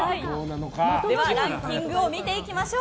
では、ランキングを見ていきましょう。